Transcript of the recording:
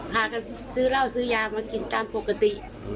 พากันซื้อเหล้าซื้อยามากินตามปกติ